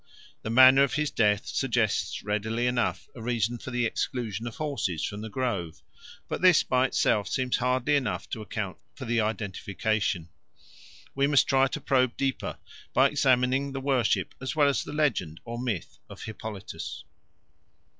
The manner of his death suggests readily enough a reason for the exclusion of horses from the grove; but this by itself seems hardly enough to account for the identification. We must try to probe deeper by examining the worship as well as the legend or myth of Hippolytus.